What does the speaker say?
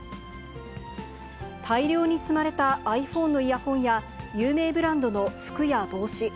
大量に積まれたｉＰｈｏｎｅのイヤホンや、有名ブランドの服や帽子。